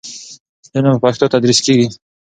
علم په پښتو تدریس کېږي.